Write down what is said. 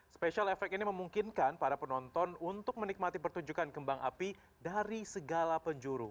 special effect ini memungkinkan para penonton untuk menikmati pertunjukan kembang api dari segala penjuru